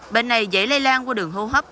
bệnh này dễ lây lan qua đường hô hấp